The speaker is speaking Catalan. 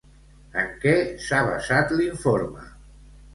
En què s'ha basat l'informe?